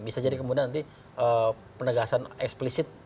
bisa jadi kemudian nanti penegasan eksplisit